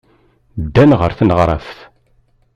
Ddan ɣer tneɣraft.